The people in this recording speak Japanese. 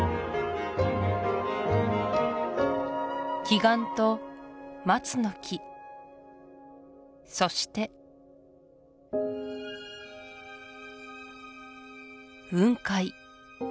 奇岩と松の木そして雲海